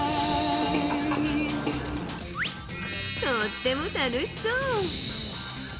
とっても楽しそう。